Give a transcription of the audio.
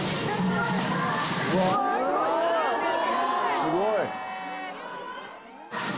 すごい！